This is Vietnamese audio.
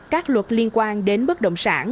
các luật liên quan đến bất động sản